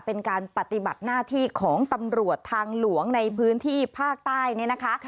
เป็นการปฏิบัติหน้าที่ของตำรวจทางหลวงในพื้นที่ภาคใต้เนี่ยนะคะ